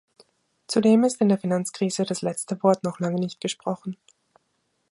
Zudem ist in der Finanzkrise das letzte Wort noch lange nicht gesprochen.